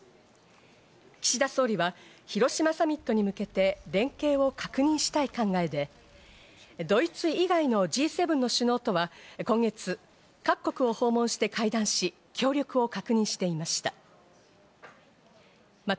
岸田総理は広島サミットに向けて連携を確認したい考えでドイツ以外のＧ７首脳とは今月、各国を訪問して会談し、協力を確認していました。